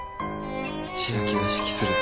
千秋が指揮する。